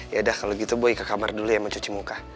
yaudah kalau gitu boy ke kamar dulu ya mau cuci muka